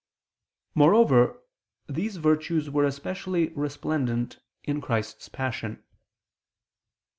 Moreover, these virtues were especially resplendent in Christ's Passion.